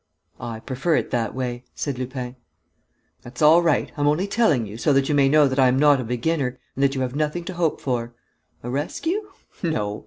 "I prefer it that way," said Lupin. "That's all right! I'm only telling you, so that you may know that I am not a beginner and that you have nothing to hope for. A rescue? No.